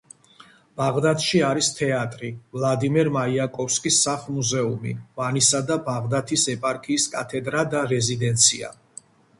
ბაღდათში არის თეატრი, ვლადიმერ მაიაკოვსკის სახლ-მუზეუმი, ვანისა და ბაღდათის ეპარქიის კათედრა და რეზიდენცია.